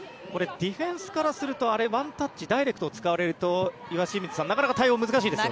ディフェンスからするとワンタッチダイレクトを使われるとなかなか対応は難しいですよね。